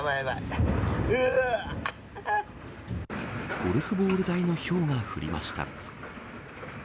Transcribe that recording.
ゴルフボール大のひょうが降りました。